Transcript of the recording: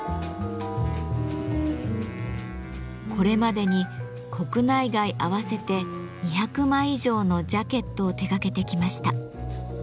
これまでに国内外合わせて２００枚以上のジャケットを手がけてきました。